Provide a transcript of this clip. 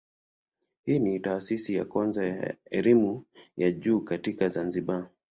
Hii ni taasisi ya kwanza ya elimu ya juu katika Zanzibar.